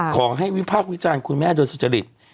ขอให้วิภาควิจารณ์คุณแม่โดยสุจริต